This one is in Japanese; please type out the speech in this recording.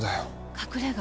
隠れ家？